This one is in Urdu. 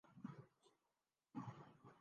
گویا ماضی، حال اور مستقبل سے وابستہ ہو جاتا ہے۔